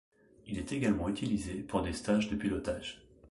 Il est également utilisé pour des stages de pilotage.